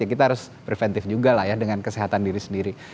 kita harus preventif juga lah ya dengan kesehatan diri sendiri